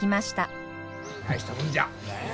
大したもんじゃ。